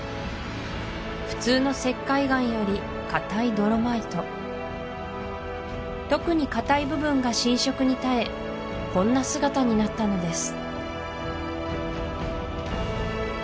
普通の石灰岩より硬いドロマイト特に硬い部分が浸食に耐えこんな姿になったのです